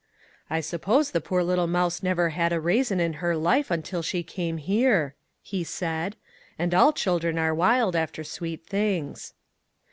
" I suppose the poor little mouse never had a raisin in her life until she came here," he said ;" and all children are wild after sweet things."